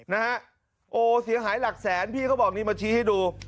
นะฮะโอ้เสียหายหลักแสนพี่เขาบอกนี่มาชี้ให้ดู